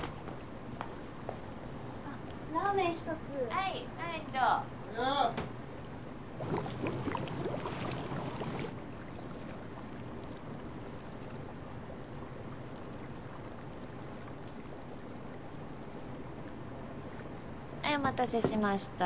はいお待たせしました。